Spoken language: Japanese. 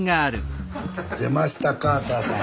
出ましたカーターさん。